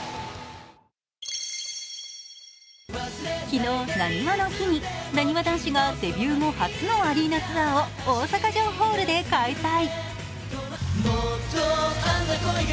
昨日、なにわの日になにわ男子がデビュー後初のアリーナツアーを大阪城ホールで開催。